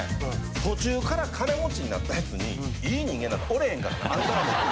途中から金持ちになったやつにいい人間なんかおれへんからな。あんたらも含めて。